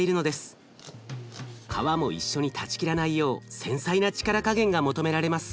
皮も一緒に断ち切らないよう繊細な力加減が求められます。